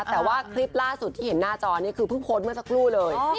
แต่ว่าคลิปล่าสุดที่เห็นหน้าจอนี่คือเพิ่งโพสต์เมื่อสักครู่เลย